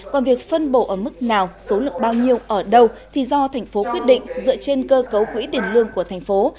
còn việc phân bổ ở mức nào số lượng bao nhiêu ở đâu thì do thành phố quyết định dựa trên cơ cấu quỹ tiền lương của thành phố